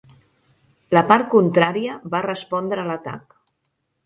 la part contrària va respondre a l'atac.